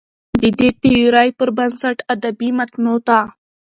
د دې تيورۍ پر بنسټ ادبي متونو ته